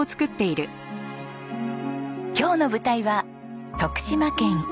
今日の舞台は徳島県板野町。